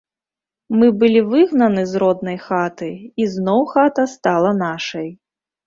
Мы былі выгнаны з роднай хаты, і зноў хата стала нашай.